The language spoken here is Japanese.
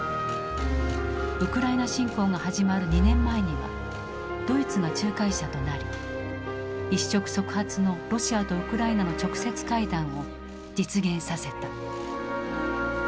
ウクライナ侵攻が始まる２年前にはドイツが仲介者となり一触即発のロシアとウクライナの直接会談を実現させた。